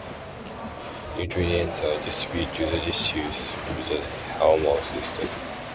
Nutrients are distributed to the tissues through the hemal system.